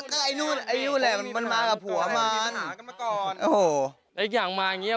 ก็ไอ้นู้นไอ้นู้นแหละมันมากับผัวมันโอ้โหอีกอย่างมาอย่างงี้